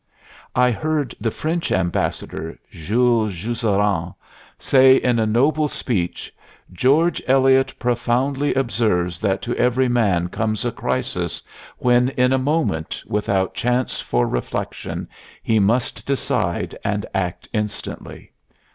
I heard the French Ambassador, Jules Jusserand, say in a noble speech: "George Eliot profoundly observes that to every man comes a crisis when in a moment, without chance for reflection, he must decide and act instantly.